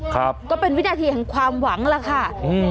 ครับก็เป็นวินาทีแห่งความหวังล่ะค่ะอืม